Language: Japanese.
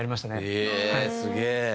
へえすげえ。